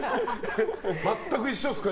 全く一緒ですか？